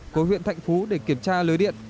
của huyện thạnh phú để kiểm tra lưới điện